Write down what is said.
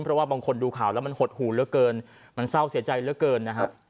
เพราะว่าบางคนดูข่าวแล้วมันหดหูเหลือเกินมันเศร้าเสียใจเหลือเกินนะฮะ